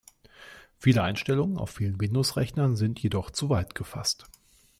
Viele Einstellungen auf vielen Windows-Rechnern sind jedoch zu weit gefasst.